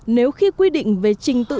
nếu khi quy định về trình tự